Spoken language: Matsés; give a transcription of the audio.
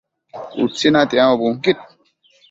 Utsi natiambo bunquid